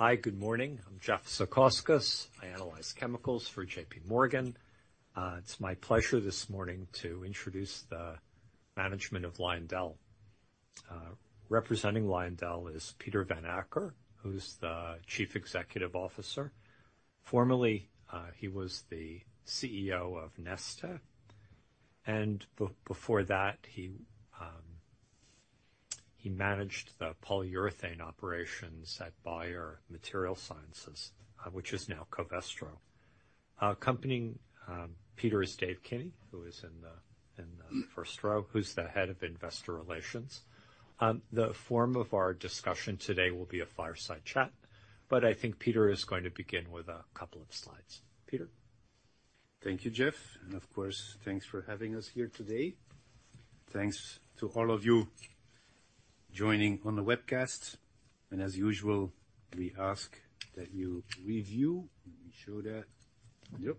Hi, good morning. I'm Jeff Zekauskas. I analyze chemicals for JPMorgan. It's my pleasure this morning to introduce the management of Lyondell. Representing Lyondell is Peter Vanacker, who's the Chief Executive Officer. Formerly, he was the CEO of Neste. Before that, he managed the polyurethane operations at Bayer MaterialScience, which is now Covestro. Accompanying Peter is Dave Kinney, who is in the first row, who's the Head of Investor Relations. The form of our discussion today will be a fireside chat, but I think Peter is going to begin with a couple of slides. Peter? Thank you, Jeff. Of course, thanks for having us here today. Thanks to all of you joining on the webcast. As usual, we ask that you review—let me show that—your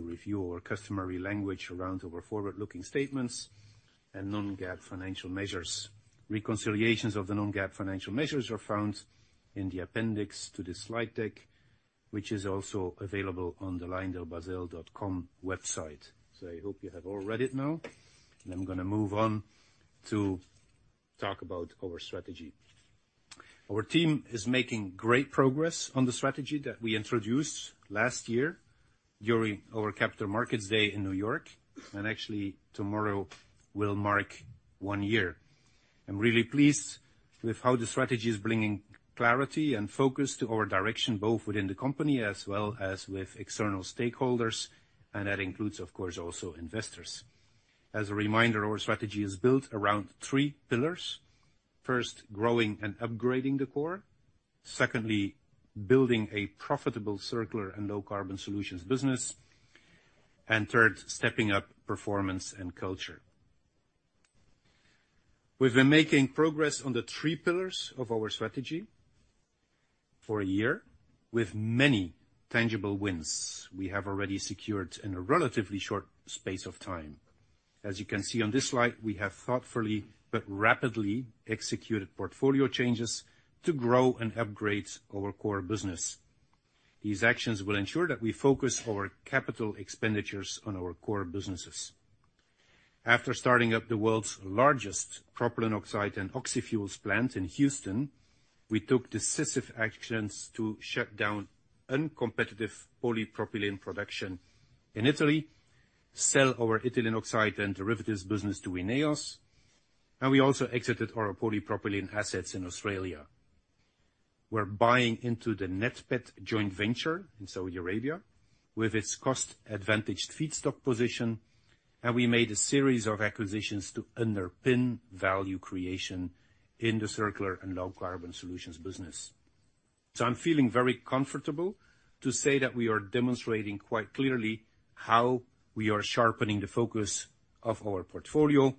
review of our customary language around our forward-looking statements and non-GAAP financial measures. Reconciliations of the non-GAAP financial measures are found in the appendix to this slide deck, which is also available on the lyondellbasell.com website. I hope you have all read it now. I am going to move on to talk about our strategy. Our team is making great progress on the strategy that we introduced last year during our Capital Markets Day in New York. Actually, tomorrow will mark one year. I am really pleased with how the strategy is bringing clarity and focus to our direction, both within the company as well as with external stakeholders. That includes, of course, also investors. As a reminder, our strategy is built around three pillars: first, growing and upgrading the core; secondly, building a profitable circular and low-carbon solutions business; and third, stepping up performance and culture. We've been making progress on the three pillars of our strategy for a year with many tangible wins we have already secured in a relatively short space of time. As you can see on this slide, we have thoughtfully but rapidly executed portfolio changes to grow and upgrade our core business. These actions will ensure that we focus our capital expenditures on our core businesses. After starting up the world's largest propylene oxide and oxyfuels plant in Houston, we took decisive actions to shut down uncompetitive polypropylene production in Italy, sell our ethylene oxide and derivatives business to INEOS, and we also exited our polypropylene assets in Australia. We're buying into the NATPET joint venture in Saudi Arabia with its cost-advantaged feedstock position, and we made a series of acquisitions to underpin value creation in the circular and low-carbon solutions business. I'm feeling very comfortable to say that we are demonstrating quite clearly how we are sharpening the focus of our portfolio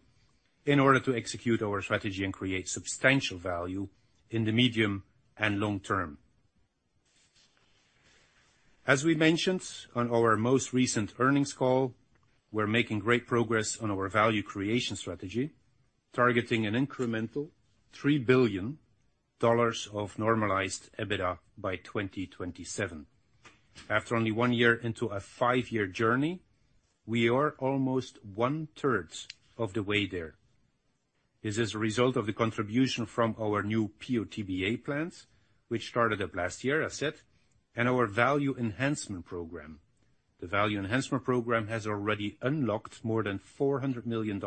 in order to execute our strategy and create substantial value in the medium and long term. As we mentioned on our most recent earnings call, we're making great progress on our value creation strategy, targeting an incremental $3 billion of normalized EBITDA by 2027. After only one year into a five-year journey, we are almost one-third of the way there. This is a result of the contribution from our new PO/TBA plants, which started up last year, as said, and our value enhancement program. The value enhancement program has already unlocked more than $400 million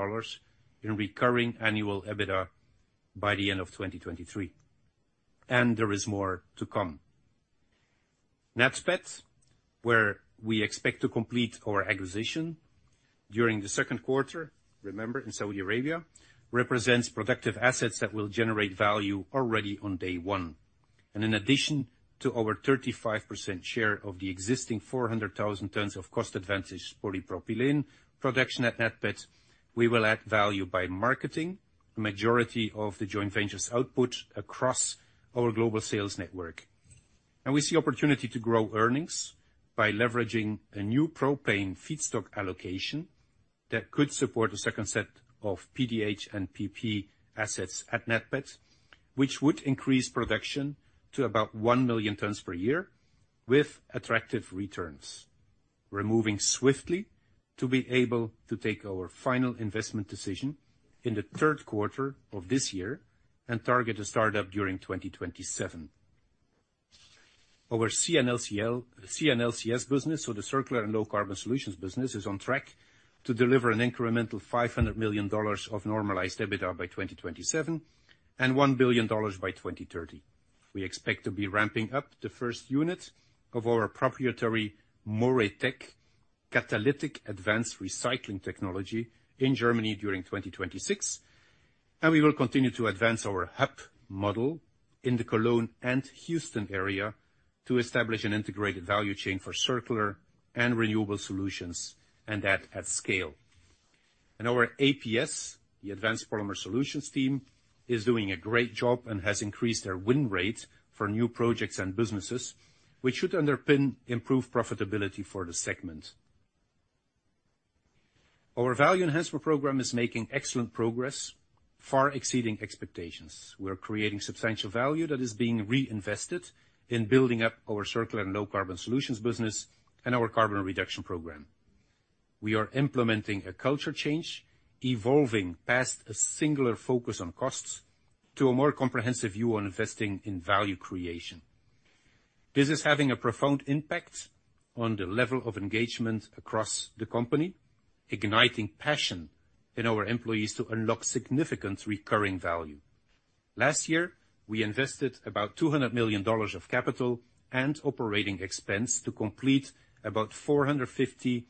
in recurring annual EBITDA by the end of 2023. There is more to come. NATPET, where we expect to complete our acquisition during the second quarter, remember, in Saudi Arabia, represents productive assets that will generate value already on day one. In addition to our 35% share of the existing 400,000 tons of cost-advantaged polypropylene production at NATPET, we will add value by marketing the majority of the joint venture's output across our global sales network. We see opportunity to grow earnings by leveraging a new propane feedstock allocation that could support a second set of PDH and PP assets at NATPET, which would increase production to about 1 million tons per year with attractive returns, moving swiftly to be able to take our final investment decision in the third quarter of this year and target to start up during 2027. Our C&LCS business, so the circular and low-carbon solutions business, is on track to deliver an incremental $500 million of normalized EBITDA by 2027 and $1 billion by 2030. We expect to be ramping up the first unit of our proprietary MoReTec catalytic advanced recycling technology in Germany during 2026. We will continue to advance our HUP model in the Cologne and Houston area to establish an integrated value chain for circular and renewable solutions and that at scale. Our APS, the Advanced Polymer Solutions Team, is doing a great job and has increased their win rate for new projects and businesses, which should underpin improved profitability for the segment. Our value enhancement program is making excellent progress, far exceeding expectations. We are creating substantial value that is being reinvested in building up our circular and low-carbon solutions business and our carbon reduction program. We are implementing a culture change, evolving past a singular focus on costs to a more comprehensive view on investing in value creation. This is having a profound impact on the level of engagement across the company, igniting passion in our employees to unlock significant recurring value. Last year, we invested about $200 million of capital and operating expense to complete about 450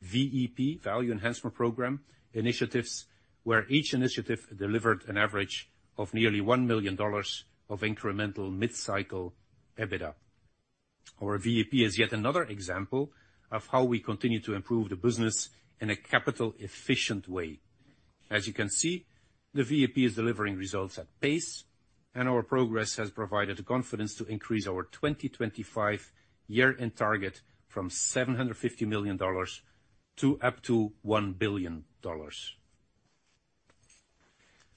VEP, value enhancement program initiatives, where each initiative delivered an average of nearly $1 million of incremental mid-cycle EBITDA. Our VEP is yet another example of how we continue to improve the business in a capital-efficient way. As you can see, the VEP is delivering results at pace, and our progress has provided confidence to increase our 2025 year-end target from $750 million to up to $1 billion.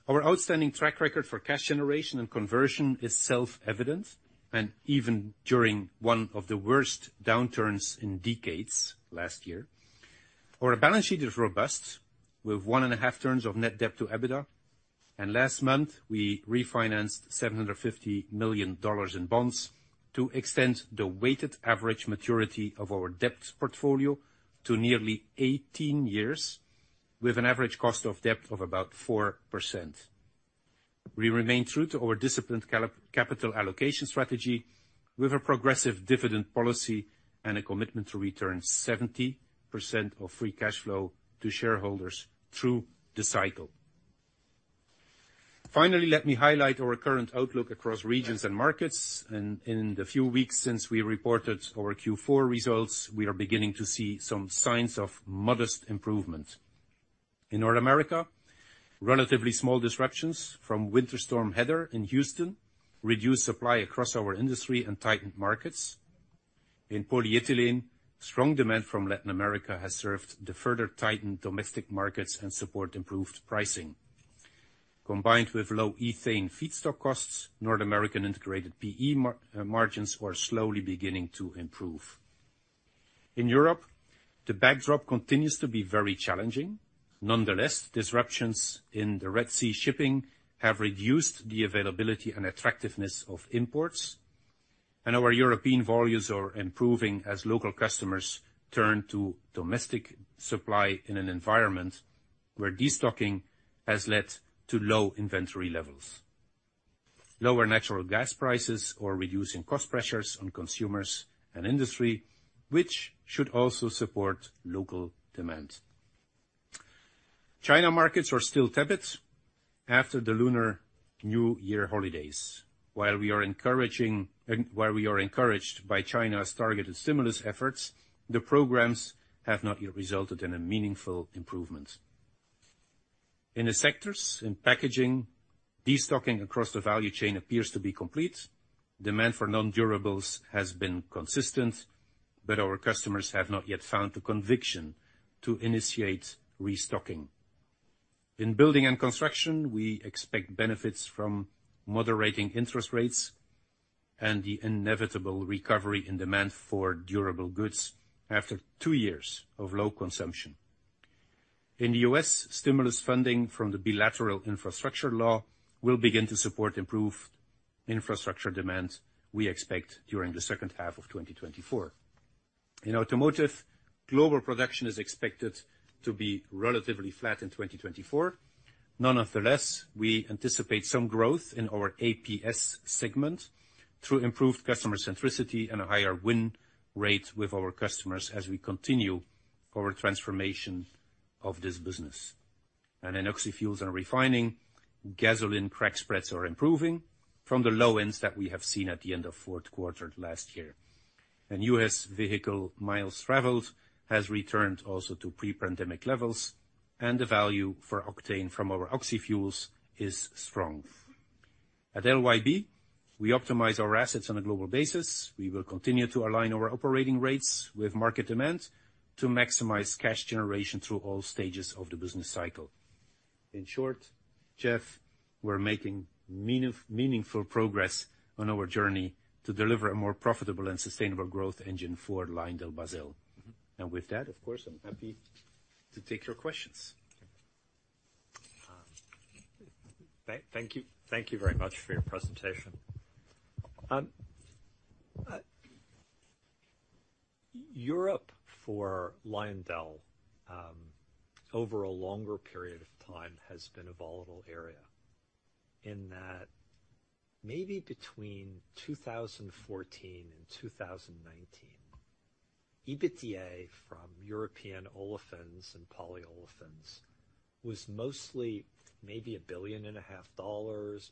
Our outstanding track record for cash generation and conversion is self-evident, even during one of the worst downturns in decades last year. Our balance sheet is robust, with one and a half turns of net debt to EBITDA. Last month, we refinanced $750 million in bonds to extend the weighted average maturity of our debt portfolio to nearly 18 years, with an average cost of debt of about 4%. We remain true to our disciplined capital allocation strategy with a progressive dividend policy and a commitment to return 70% of free cash flow to shareholders through the cycle. Finally, let me highlight our current outlook across regions and markets. In the few weeks since we reported our Q4 results, we are beginning to see some signs of modest improvement. In North America, relatively small disruptions from Winter Storm Heather in Houston reduced supply across our industry and tightened markets. In polyethylene, strong demand from Latin America has served to further tighten domestic markets and support improved pricing. Combined with low ethane feedstock costs, North American integrated PE margins are slowly beginning to improve. In Europe, the backdrop continues to be very challenging. Nonetheless, disruptions in the Red Sea shipping have reduced the availability and attractiveness of imports. Our European volumes are improving as local customers turn to domestic supply in an environment where destocking has led to low inventory levels. Lower natural gas prices are reducing cost pressures on consumers and industry, which should also support local demand. China markets are still tepid after the Lunar New Year holidays. While we are encouraged by China's targeted stimulus efforts, the programs have not yet resulted in a meaningful improvement. In the sectors in packaging, destocking across the value chain appears to be complete. Demand for non-durables has been consistent, but our customers have not yet found the conviction to initiate restocking. In building and construction, we expect benefits from moderating interest rates and the inevitable recovery in demand for durable goods after two years of low consumption. In the U.S., stimulus funding from the bilateral infrastructure law will begin to support improved infrastructure demand we expect during the second half of 2024. In automotive, global production is expected to be relatively flat in 2024. Nonetheless, we anticipate some growth in our APS segment through improved customer centricity and a higher win rate with our customers as we continue our transformation of this business. In oxyfuels and refining, gasoline crack spreads are improving from the low ends that we have seen at the end of fourth quarter last year. U.S. vehicle miles traveled has returned also to pre-pandemic levels, and the value for octane from our oxyfuels is strong. At LYB, we optimize our assets on a global basis. We will continue to align our operating rates with market demand to maximize cash generation through all stages of the business cycle. In short, Jeff, we're making meaningful progress on our journey to deliver a more profitable and sustainable growth engine for LyondellBasell. Of course, I'm happy to take your questions. Thank you very much for your presentation. Europe for Lyondell over a longer period of time has been a volatile area in that maybe between 2014 and 2019, EBITDA from European olefins and polyolefins was mostly maybe $1.5 billion,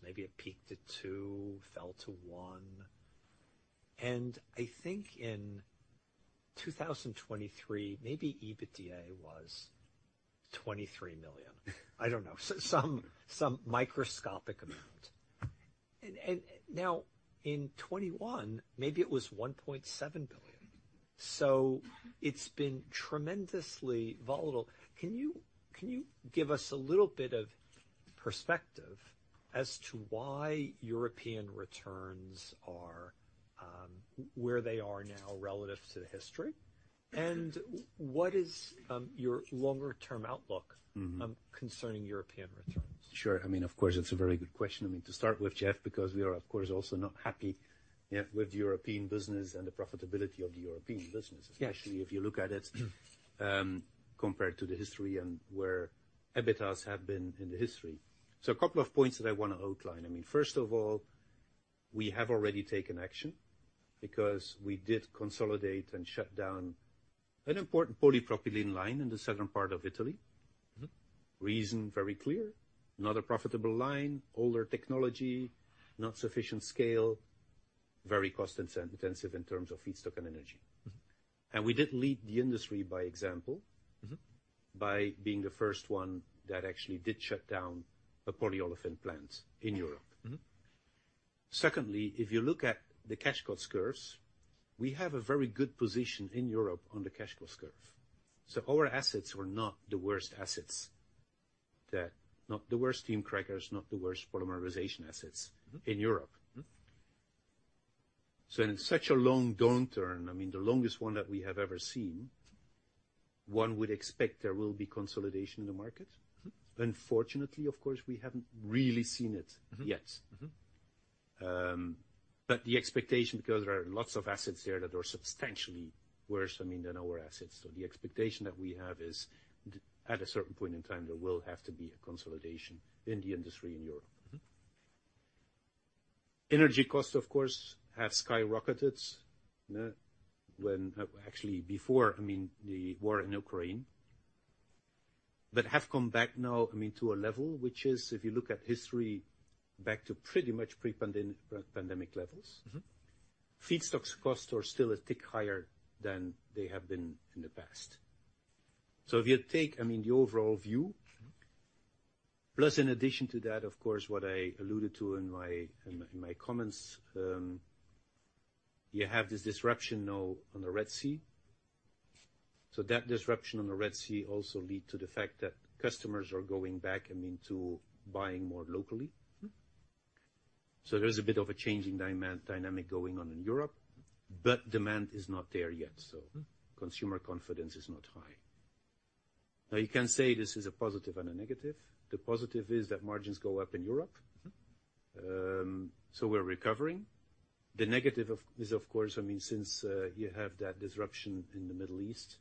maybe it peaked at $2 billion, fell to $1 billion. I think in 2023, maybe EBITDA was $23 million. I do not know, some microscopic amount. Now in 2021, maybe it was $1.7 billion. It has been tremendously volatile. Can you give us a little bit of perspective as to why European returns are where they are now relative to history? What is your longer-term outlook concerning European returns? Sure. I mean, of course, it's a very good question. I mean, to start with, Jeff, because we are, of course, also not happy with European business and the profitability of the European business, especially if you look at it compared to the history and where EBITDAs have been in the history. A couple of points that I want to outline. First of all, we have already taken action because we did consolidate and shut down an important polypropylene line in the southern part of Italy. Reason very clear. Not a profitable line, older technology, not sufficient scale, very cost-intensive in terms of feedstock and energy. We did lead the industry by example by being the first one that actually did shut down a polyolefin plant in Europe. Secondly, if you look at the cash cost curves, we have a very good position in Europe on the cash cost curve. Our assets were not the worst assets, not the worst steam crackers, not the worst polymerization assets in Europe. In such a long downturn, I mean, the longest one that we have ever seen, one would expect there will be consolidation in the market. Unfortunately, of course, we haven't really seen it yet. The expectation, because there are lots of assets there that are substantially worse, I mean, than our assets. The expectation that we have is at a certain point in time, there will have to be a consolidation in the industry in Europe. Energy costs, of course, have skyrocketed when actually before, I mean, the war in Ukraine, but have come back now, I mean, to a level which is, if you look at history, back to pretty much pre-pandemic levels. Feedstock costs are still a tick higher than they have been in the past. If you take, I mean, the overall view, plus in addition to that, of course, what I alluded to in my comments, you have this disruption now on the Red Sea. That disruption on the Red Sea also leads to the fact that customers are going back, I mean, to buying more locally. There is a bit of a changing dynamic going on in Europe, but demand is not there yet. Consumer confidence is not high. Now, you can say this is a positive and a negative. The positive is that margins go up in Europe. We are recovering. The negative is, of course, I mean, since you have that disruption in the Middle East,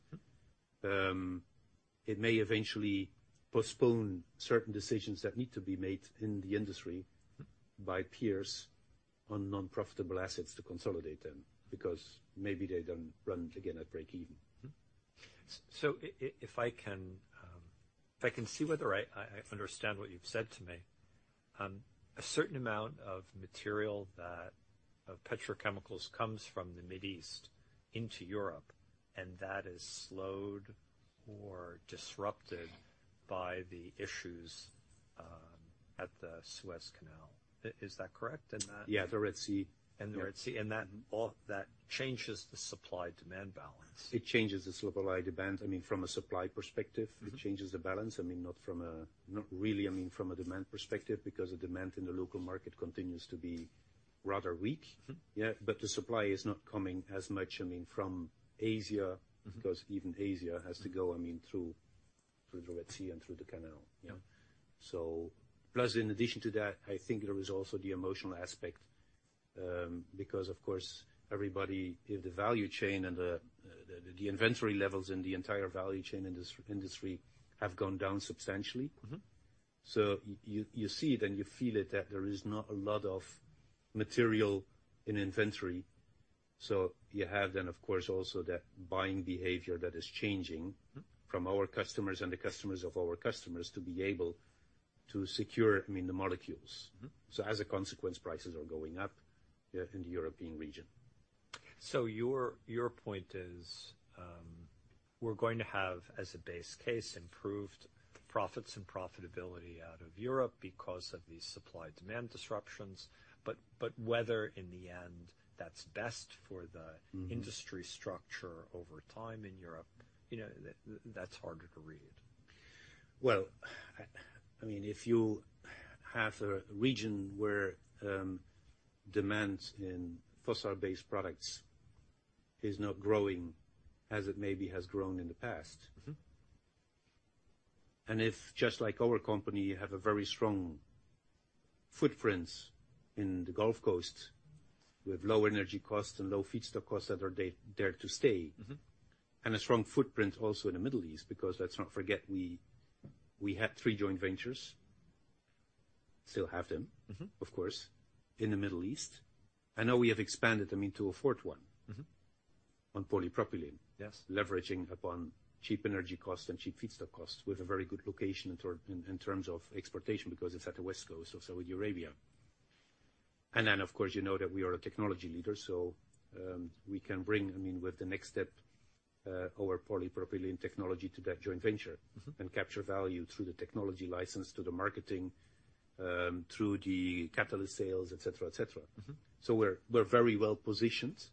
it may eventually postpone certain decisions that need to be made in the industry by peers on non-profitable assets to consolidate them because maybe they do not run again at break-even. If I can see whether I understand what you've said to me, a certain amount of material that of petrochemicals comes from the Middle East into Europe, and that is slowed or disrupted by the issues at the Suez Canal. Is that correct? Yeah, the Red Sea. That changes the supply-demand balance. It changes the supply-demand. I mean, from a supply perspective, it changes the balance. I mean, not really, I mean, from a demand perspective because the demand in the local market continues to be rather weak. The supply is not coming as much, I mean, from Asia because even Asia has to go, I mean, through the Red Sea and through the canal. In addition to that, I think there is also the emotional aspect because, of course, everybody, the value chain and the inventory levels in the entire value chain industry have gone down substantially. You see it and you feel it that there is not a lot of material in inventory. You have then, of course, also that buying behavior that is changing from our customers and the customers of our customers to be able to secure, I mean, the molecules. As a consequence, prices are going up in the European region. Your point is we're going to have, as a base case, improved profits and profitability out of Europe because of these supply-demand disruptions. Whether in the end that's best for the industry structure over time in Europe, that's harder to read. If you have a region where demand in fossil-based products is not growing as it maybe has grown in the past. If, just like our company, you have a very strong footprint in the Gulf Coast with low energy costs and low feedstock costs that are there to stay and a strong footprint also in the Middle East because let's not forget, we had three joint ventures, still have them, of course, in the Middle East. I know we have expanded, I mean, to a fourth one on polypropylene, leveraging upon cheap energy costs and cheap feedstock costs with a very good location in terms of exportation because it's at the west coast of Saudi Arabia. You know that we are a technology leader. We can bring, I mean, with the next step, our polypropylene technology to that joint venture and capture value through the technology license, through the marketing, through the catalyst sales, etc., etc. We are very well positioned.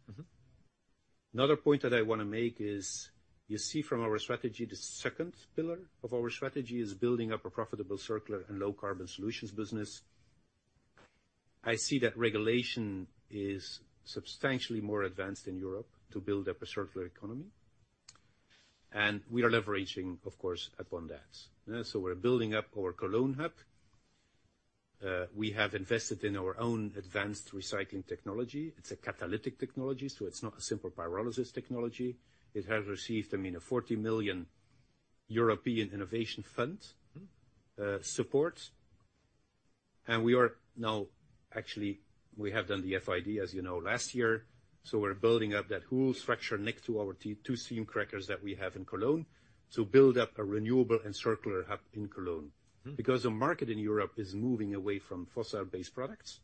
Another point that I want to make is you see from our strategy, the second pillar of our strategy is building up a profitable circular and low-carbon solutions business. I see that regulation is substantially more advanced in Europe to build up a circular economy. We are leveraging, of course, upon that. We are building up our Cologne hub. We have invested in our own advanced recycling technology. It is a catalytic technology, so it is not a simple pyrolysis technology. It has received, I mean, a $40 million European Innovation Fund's support. We are now actually, we have done the FID, as you know, last year. We're building up that whole structure next to our two steam crackers that we have in Cologne to build up a renewable and circular hub in Cologne because the market in Europe is moving away from fossil-based products.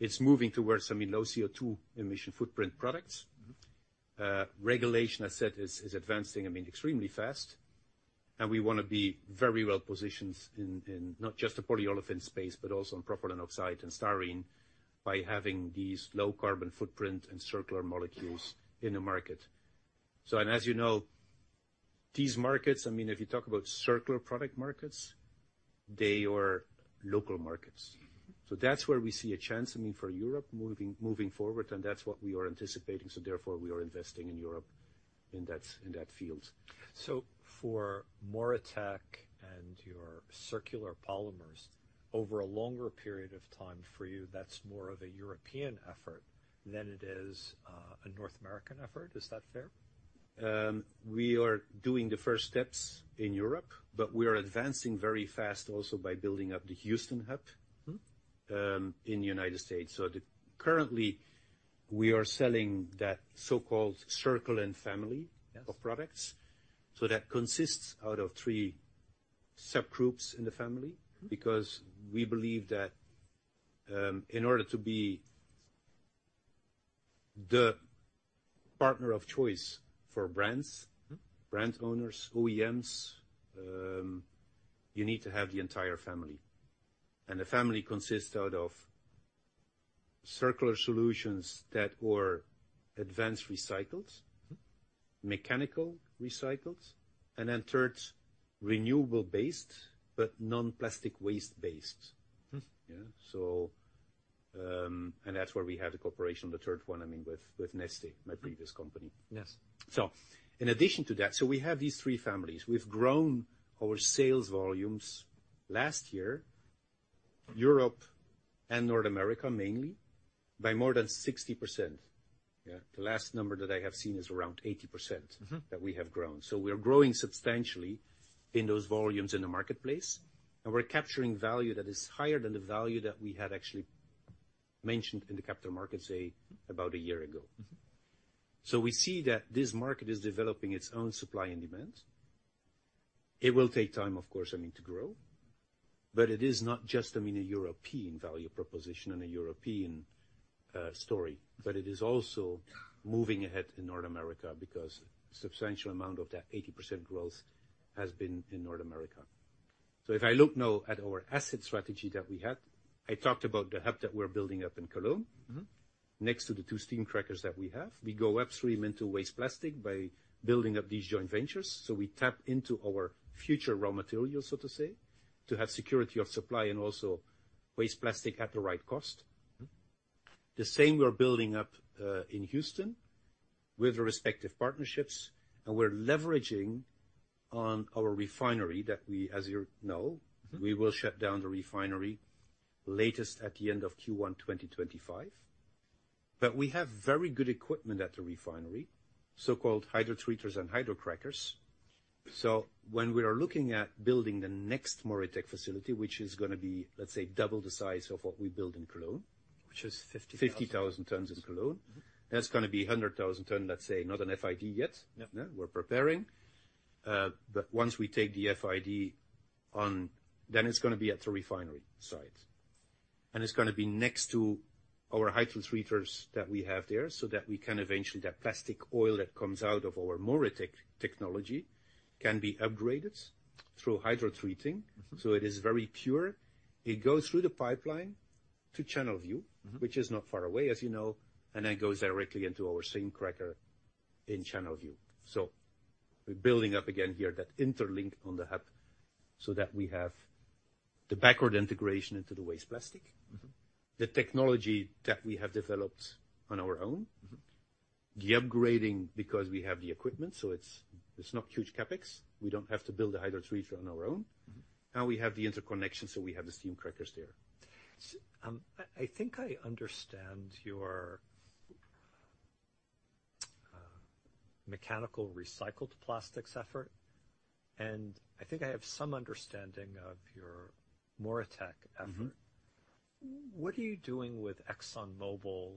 It's moving towards, I mean, low-CO2-emission-footprint products. Regulation, as I said, is advancing, I mean, extremely fast. We want to be very well positioned in not just the polyolefin space, but also in propylene oxide and staring by having these low-carbon footprint and circular molecules in the market. As you know, these markets, I mean, if you talk about circular product markets, they are local markets. That's where we see a chance, I mean, for Europe moving forward, and that's what we are anticipating. Therefore, we are investing in Europe in that field. For MoReTec and your circular polymers, over a longer period of time for you, that's more of a European effort than it is a North American effort. Is that fair? We are doing the first steps in Europe, but we are advancing very fast also by building up the Houston hub in the United States. Currently, we are selling that so-called circle and family of products. That consists out of three subgroups in the family because we believe that in order to be the partner of choice for brands, brand owners, OEMs, you need to have the entire family. The family consists out of circular solutions that are advanced recycled, mechanical recycled, and then third, renewable-based, but non-plastic waste-based. That is where we have the corporation, the third one, I mean, with Neste, my previous company. In addition to that, we have these three families. We've grown our sales volumes last year, Europe and North America mainly, by more than 60%. The last number that I have seen is around 80% that we have grown. We are growing substantially in those volumes in the marketplace, and we're capturing value that is higher than the value that we had actually mentioned in the capital markets about a year ago. We see that this market is developing its own supply and demand. It will take time, of course, I mean, to grow, but it is not just, I mean, a European value proposition and a European story, but it is also moving ahead in North America because a substantial amount of that 80% growth has been in North America. If I look now at our asset strategy that we had, I talked about the hub that we're building up in Cologne next to the two steam crackers that we have. We go upstream into waste plastic by building up these joint ventures. We tap into our future raw materials, so to say, to have security of supply and also waste plastic at the right cost. The same we're building up in Houston with the respective partnerships, and we're leveraging on our refinery that we, as you know, we will shut down the refinery latest at the end of Q1 2025. We have very good equipment at the refinery, so-called hydrotreaters and hydrocrackers. When we are looking at building the next MoReTec facility, which is going to be, let's say, double the size of what we build in Cologne. Which is 50,000. 50,000 tons in Cologne. That's going to be 100,000 tons, let's say, not an FID yet. We're preparing. Once we take the FID on, it's going to be at the refinery site. It's going to be next to our hydrotreaters that we have there so that we can eventually, that plastic oil that comes out of our MoReTec technology can be upgraded through hydrotreating. It is very pure. It goes through the pipeline to Channelview, which is not far away, as you know, and then goes directly into our steam cracker in Channelview. We're building up again here that interlink on the hub so that we have the backward integration into the waste plastic, the technology that we have developed on our own, the upgrading because we have the equipment. It's not huge CapEx. We don't have to build a hydrotreater on our own. Now we have the interconnection, so we have the steam crackers there. I think I understand your mechanical recycled plastics effort, and I think I have some understanding of your MoReTec effort. What are you doing with ExxonMobil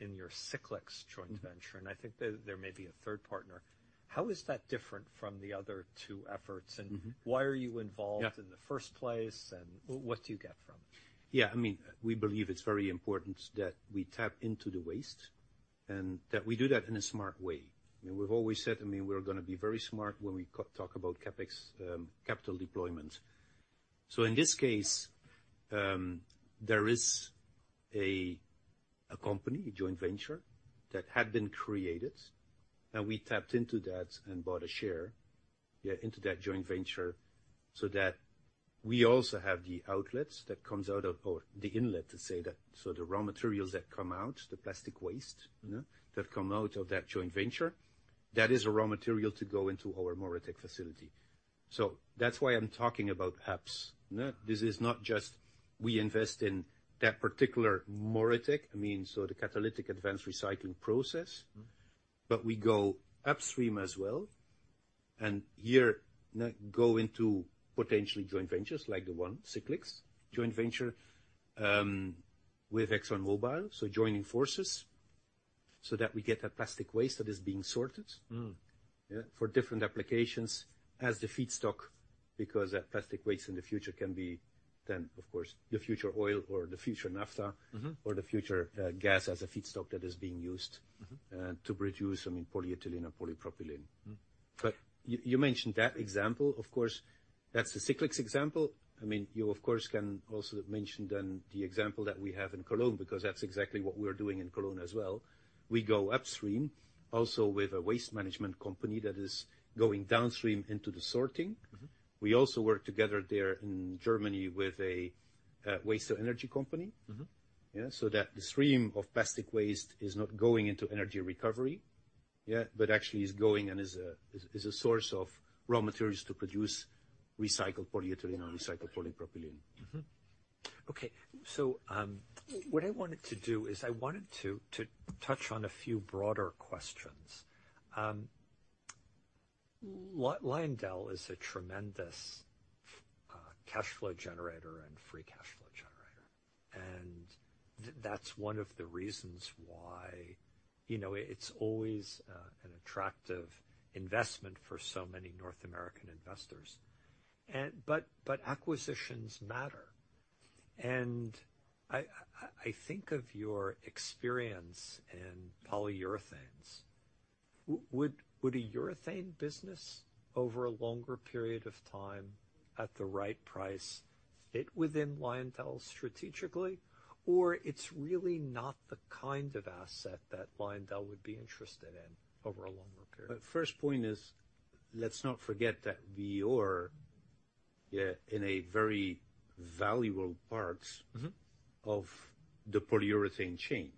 in your Cyclex joint venture? I think there may be a third partner. How is that different from the other two efforts? Why are you involved in the first place? What do you get from it? Yeah, I mean, we believe it's very important that we tap into the waste and that we do that in a smart way. I mean, we've always said, I mean, we're going to be very smart when we talk about CapEx capital deployment. In this case, there is a company, a joint venture that had been created, and we tapped into that and bought a share into that joint venture so that we also have the outlets that comes out of the inlet, to say that. The raw materials that come out, the plastic waste that come out of that joint venture, that is a raw material to go into our MoReTec facility. That's why I'm talking about apps. This is not just we invest in that particular MoReTec, I mean, so the catalytic advanced recycling process, but we go upstream as well and here go into potentially joint ventures like the one Cyclex joint venture with ExxonMobil, so joining forces so that we get that plastic waste that is being sorted for different applications as the feedstock because that plastic waste in the future can be then, of course, the future oil or the future naphtha or the future gas as a feedstock that is being used to produce, I mean, polyethylene and polypropylene. You mentioned that example. Of course, that's the Cyclex example. I mean, you, of course, can also mention then the example that we have in Cologne because that's exactly what we're doing in Cologne as well. We go upstream also with a waste management company that is going downstream into the sorting. We also work together there in Germany with a waste-to-energy company so that the stream of plastic waste is not going into energy recovery, but actually is going and is a source of raw materials to produce recycled polyethylene and recycled polypropylene. Okay. What I wanted to do is I wanted to touch on a few broader questions. Lyondell is a tremendous cash flow generator and free cash flow generator. That's one of the reasons why it's always an attractive investment for so many North American investors. Acquisitions matter. I think of your experience in polyurethanes. Would a urethane business over a longer period of time at the right price fit within Lyondell strategically, or is it really not the kind of asset that Lyondell would be interested in over a longer period? First point is let's not forget that we are in a very valuable part of the polyurethane chain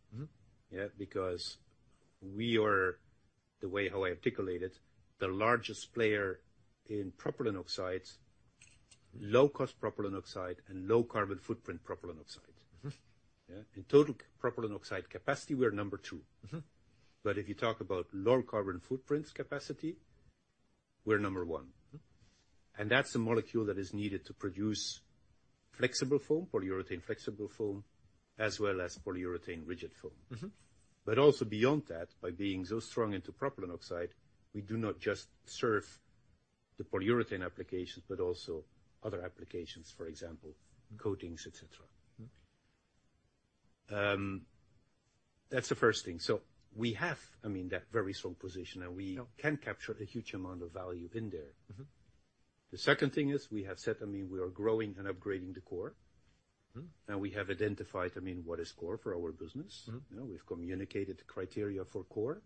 because we are, the way how I articulate it, the largest player in propylene oxide, low-cost propylene oxide, and low-carbon footprint propylene oxide. In total propylene oxide capacity, we're number two. If you talk about low-carbon footprint capacity, we're number one. That's the molecule that is needed to produce flexible foam, polyurethane flexible foam, as well as polyurethane rigid foam. Also beyond that, by being so strong into propylene oxide, we do not just serve the polyurethane applications, but also other applications, for example, coatings, etc. That's the first thing. We have, I mean, that very strong position, and we can capture a huge amount of value in there. The second thing is we have said, I mean, we are growing and upgrading the core. Now we have identified, I mean, what is core for our business. We've communicated the criteria for core.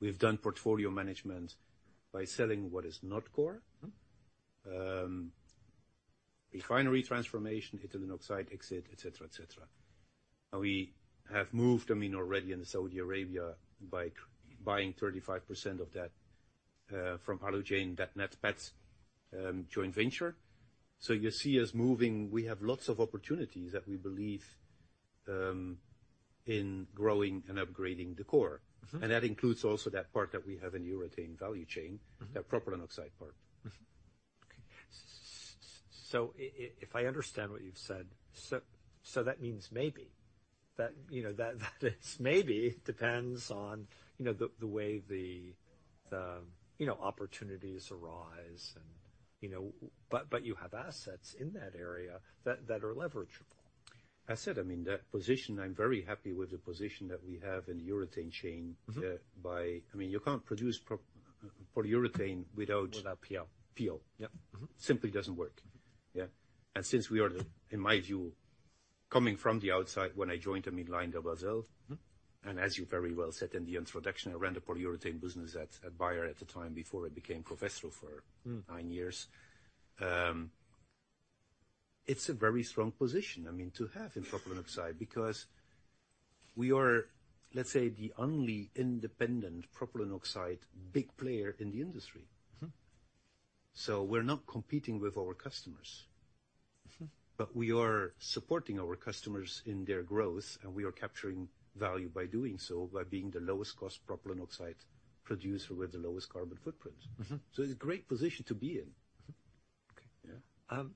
We've done portfolio management by selling what is not core, refinery transformation, ethylene oxide exit, etc., etc. We have moved, I mean, already in Saudi Arabia by buying 35% of that from Alujain-NATPET Joint Venture. You see us moving. We have lots of opportunities that we believe in growing and upgrading the core. That includes also that part that we have in the urethane value chain, that propylene oxide part. Okay. If I understand what you've said, that means maybe that it maybe depends on the way the opportunities arise. You have assets in that area that are leverageable. I said, I mean, that position, I'm very happy with the position that we have in the urethane chain by, I mean, you can't produce polyurethane without. Without PO. PO. Yep. Simply doesn't work. Yeah. Since we are, in my view, coming from the outside when I joined, I mean, LyondellBasell. As you very well said in the introduction, I ran the polyurethane business at Bayer at the time before I became professor for nine years. It's a very strong position, I mean, to have in propylene oxide because we are, let's say, the only independent propylene oxide big player in the industry. We're not competing with our customers, but we are supporting our customers in their growth, and we are capturing value by doing so, by being the lowest-cost propylene oxide producer with the lowest carbon footprint. It's a great position to be in. Okay.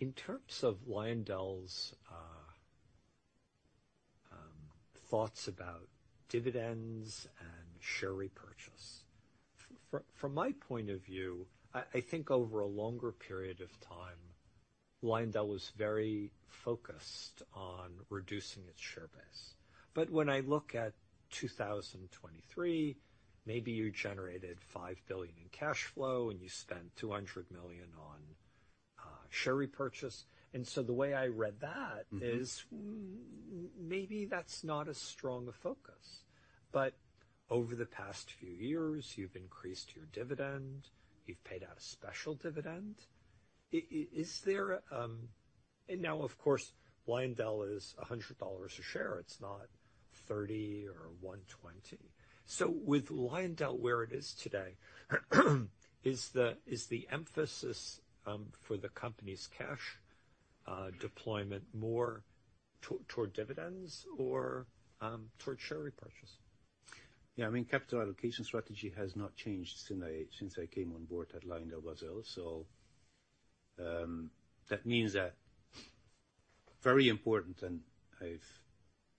In terms of Lyondell's thoughts about dividends and share repurchase, from my point of view, I think over a longer period of time, Lyondell was very focused on reducing its share base. When I look at 2023, maybe you generated $5 billion in cash flow, and you spent $200 million on share repurchase. The way I read that is maybe that's not a strong focus. Over the past few years, you've increased your dividend. You've paid out a special dividend. Now, of course, Lyondell is $100 a share. It's not $30 or $120. With Lyondell, where it is today, is the emphasis for the company's cash deployment more toward dividends or toward share repurchase? Yeah. I mean, capital allocation strategy has not changed since I came on board at LyondellBasell. That means that very important, and I've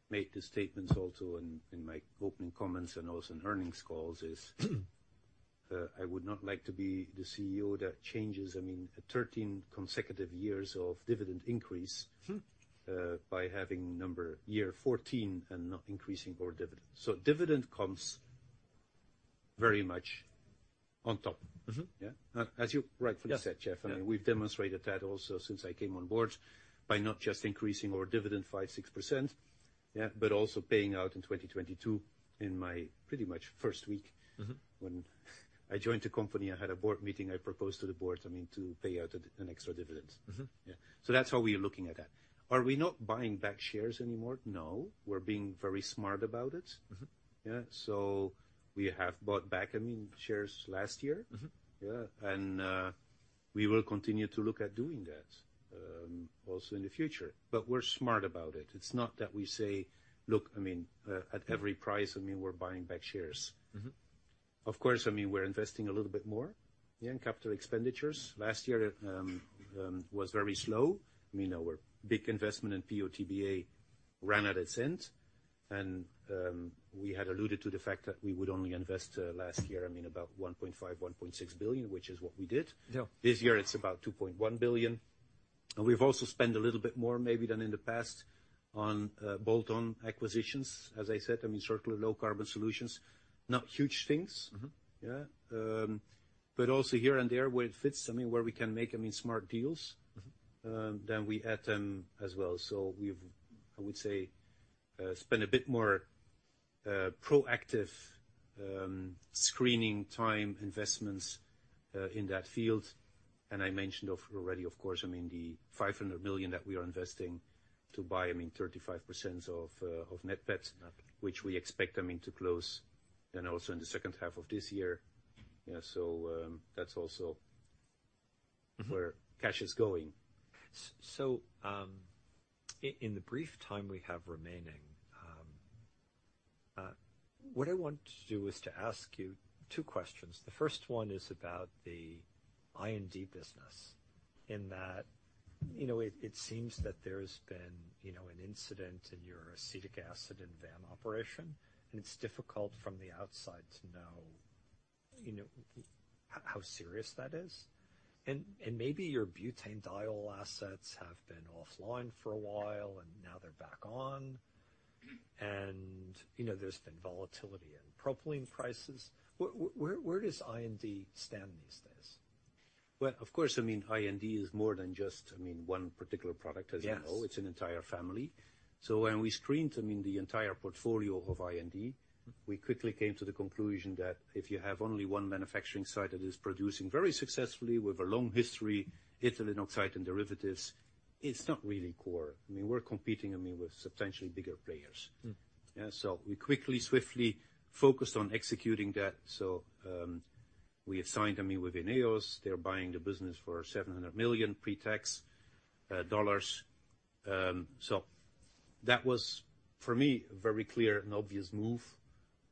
made the statements also in my opening comments and also in earnings calls, is I would not like to be the CEO that changes, I mean, 13 consecutive years of dividend increase by having number year 14 and not increasing our dividend. Dividend comes very much on top. Yeah. As you rightfully said, Jeff, I mean, we've demonstrated that also since I came on board by not just increasing our dividend 5-6%, but also paying out in 2022 in my pretty much first week when I joined the company, I had a board meeting. I proposed to the board, I mean, to pay out an extra dividend. Yeah. That's how we are looking at that. Are we not buying back shares anymore? No. We're being very smart about it. Yeah. We have bought back, I mean, shares last year. Yeah. We will continue to look at doing that also in the future. We're smart about it. It's not that we say, "Look, I mean, at every price, I mean, we're buying back shares." Of course, I mean, we're investing a little bit more in capital expenditures. Last year was very slow. I mean, our big investment in PO/TBA ran out of cent. We had alluded to the fact that we would only invest last year, I mean, about $1.5-$1.6 billion, which is what we did. This year, it's about $2.1 billion. We've also spent a little bit more maybe than in the past on bolt-on acquisitions, as I said, I mean, circular low-carbon solutions. Not huge things. Yeah. Here and there where it fits, I mean, where we can make, I mean, smart deals, then we add them as well. We have, I would say, spent a bit more proactive screening time investments in that field. I mentioned already, of course, I mean, the $500 million that we are investing to buy, I mean, 35% of NATPET, which we expect, I mean, to close then also in the second half of this year. Yeah. That is also where cash is going. In the brief time we have remaining, what I want to do is to ask you two questions. The first one is about the IND business in that it seems that there has been an incident in your acetic acid and VAM operation, and it's difficult from the outside to know how serious that is. Maybe your butane vial assets have been offline for a while, and now they're back on. There's been volatility in propylene prices. Where does IND stand these days? Of course, I mean, IND is more than just, I mean, one particular product, as you know. It's an entire family. When we screened, I mean, the entire portfolio of IND, we quickly came to the conclusion that if you have only one manufacturing site that is producing very successfully with a long history, ethylene oxide and derivatives, it's not really core. I mean, we're competing, I mean, with substantially bigger players. Yeah. We quickly, swiftly focused on executing that. We have signed, I mean, with INEOS. They're buying the business for $700 million pre-tax dollars. That was, for me, a very clear and obvious move.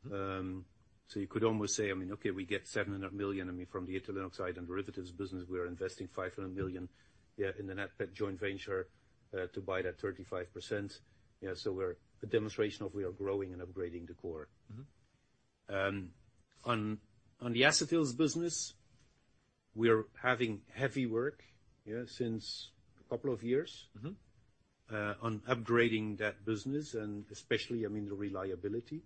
You could almost say, I mean, okay, we get $700 million, I mean, from the ethylene oxide and derivatives business. We are investing $500 million, yeah, in the NATPET joint venture to buy that 35%. Yeah. We're a demonstration of we are growing and upgrading the core. On the acetyls business, we're having heavy work, yeah, since a couple of years on upgrading that business, and especially, I mean, the reliability,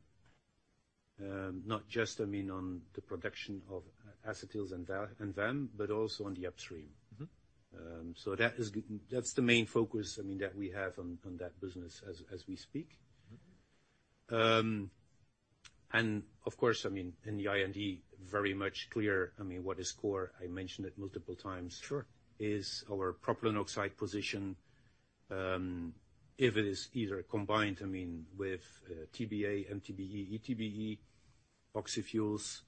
not just, I mean, on the production of acetyls and VAM, but also on the upstream. That's the main focus, I mean, that we have on that business as we speak. Of course, I mean, in the IND, very much clear, I mean, what is core. I mentioned it multiple times. It's our propylene oxide position, if it is either combined, I mean, with TBA, MTBE, ETBE, oxyfuels,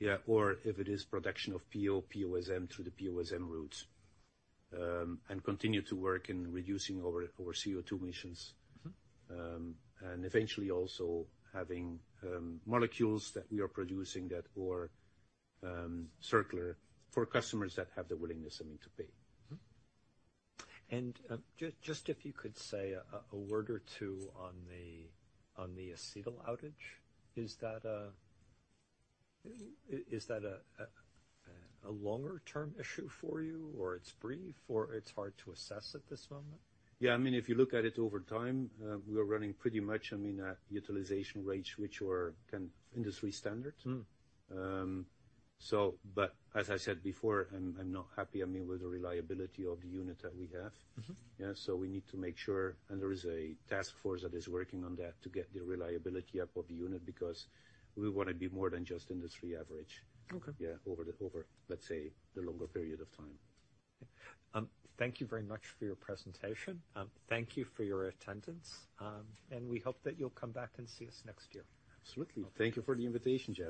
yeah, or if it is production of PO, POSM through the POSM routes and continue to work in reducing our CO2 emissions and eventually also having molecules that we are producing that are circular for customers that have the willingness, I mean, to pay. If you could say a word or two on the acetyl outage, is that a longer-term issue for you, or it's brief, or it's hard to assess at this moment? Yeah. I mean, if you look at it over time, we are running pretty much, I mean, at utilization rates, which are kind of industry standard. As I said before, I'm not happy, I mean, with the reliability of the unit that we have. Yeah. We need to make sure, and there is a task force that is working on that to get the reliability up of the unit because we want to be more than just industry average, yeah, over, let's say, the longer period of time. Thank you very much for your presentation. Thank you for your attendance. We hope that you'll come back and see us next year. Absolutely. Thank you for the invitation, Jeff.